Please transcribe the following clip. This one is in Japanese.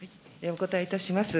お答えいたします。